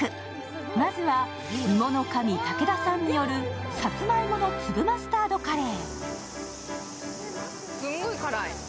まずは、芋の神武田さんによる、さつまいもの粒マスタードカレー。